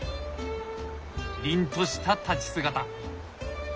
りんとした立ち姿！